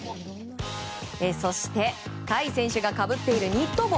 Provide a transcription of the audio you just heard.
そして甲斐選手がかぶっているニット帽。